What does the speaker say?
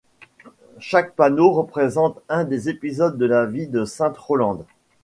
Chaque panneau représente un des épisodes de la vie de sainte Rolende.